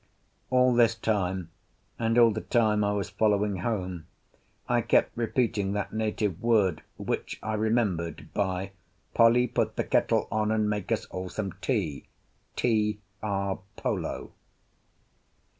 All this time, and all the time I was following home, I kept repeating that native word, which I remembered by "Polly, put the kettle on and make us all some tea," tea a pollo.